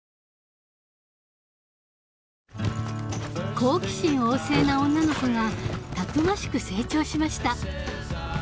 好奇心旺盛な女の子がたくましく成長しました。